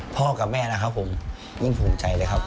พ่อกับแม่นะครับผมยิ่งภูมิใจเลยครับ